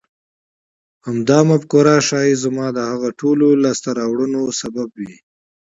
همدا مفکوره ښايي زما د هغو ټولو لاسته راوړنو سبب وي.